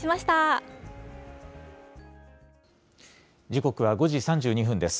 時刻は５時３２分です。